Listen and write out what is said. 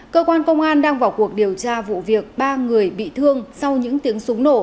cơ quan công an đang vào cuộc điều tra vụ việc ba người bị thương sau những tiếng súng nổ